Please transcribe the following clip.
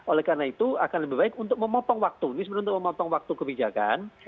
oleh karena itu akan lebih baik untuk memotong waktu ini sebenarnya untuk memotong waktu kebijakan